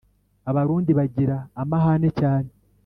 abarundi bagira amahane cyane